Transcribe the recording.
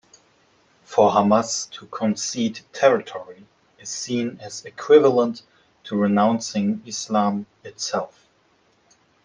For Hamas, to concede territory is seen as equivalent to renouncing Islam itself.